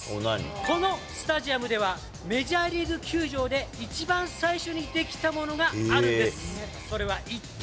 このスタジアムでは、メジャーリーグ球場で一番最初に出来たものがあるんです。